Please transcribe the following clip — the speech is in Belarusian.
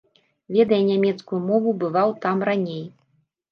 Ведае нямецкую мову, бываў там раней.